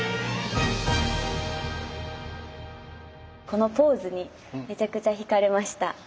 このポーズにめちゃくちゃ惹かれました。